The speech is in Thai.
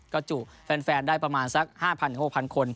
ก็จุแฟนได้ประมาณสัก๕๐๐๖๐๐คน